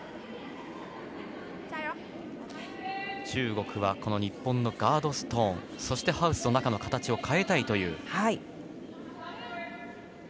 中国は日本のガードストーンそしてハウスの中の形を変えたい。